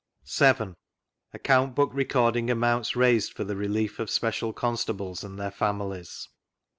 ACCOU NT BOOK RECORDING AMOUNTS RAISED FOR THE RELIEF OF SPECIAI. CONSTABLES & THEIR FAMILIES.